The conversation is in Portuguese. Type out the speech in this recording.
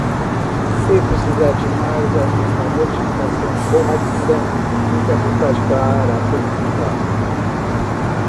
Se precisar de mais alguma modificação ou adição, fique à vontade para perguntar!